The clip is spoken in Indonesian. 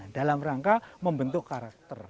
dalam rangka membentuk karakter